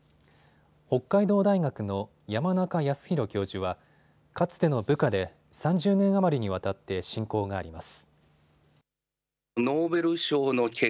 北海道大学の山中康裕教授はかつての部下で３０年余りにわたって親交があります。